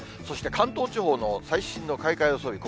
そして関東地方の最新の開花予想